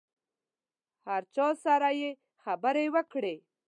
هر چا سره چې خبره وکړې.